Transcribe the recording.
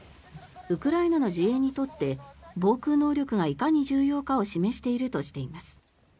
ウクライナの自衛にとって防空能力がいかに重要かを示しているとしています。